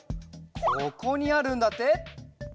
ここにあるんだって。